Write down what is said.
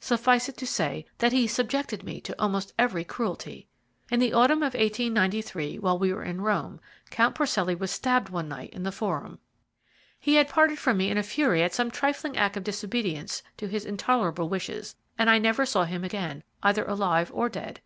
Suffice it to say that he subjected me to almost every cruelty. "In the autumn of 1893, while we were in Rome, Count Porcelli was stabbed one night in the Forum. He had parted from me in a fury at some trifling act of disobedience to his intolerable wishes, and I never saw him again, either alive or dead.